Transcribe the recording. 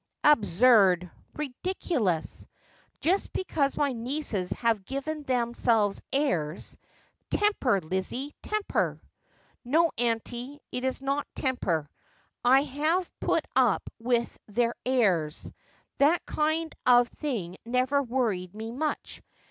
'Absurd, ridiculous! Just because my nieces have given themselves airs. Temper, Lizzie, temper.' ' No, auntie, it is not temper. I have put up with their airs. That kind of thing never worried me much.